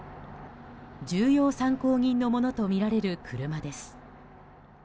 重要参考人のものとみられる車です。